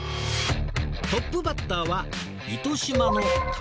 トップバッターは糸島の卵！